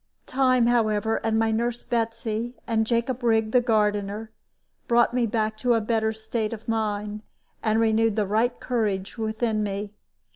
Time, however, and my nurse Betsy, and Jacob Rigg the gardener, brought me back to a better state of mind, and renewed the right courage within me.